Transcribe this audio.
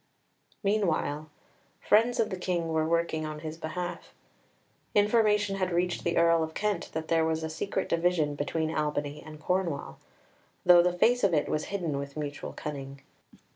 Meanwhile, friends of the King were working on his behalf. Information had reached the Earl of Kent that there was secret division between Albany and Cornwall, though the face of it was hidden with mutual cunning.